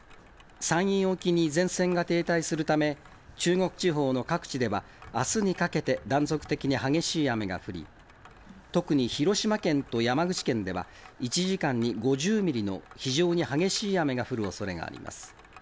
山陰沖に前線が停滞するため、中国地方の各地では、あすにかけて、断続的に激しい雨が降り、特に広島県と山口県では、１時間に５０ミリの非常に激しい雨が降るおそれがあります。